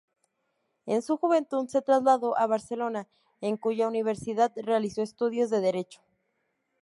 En su juventud se trasladó a Barcelona, en cuya universidad realizó estudios de derecho.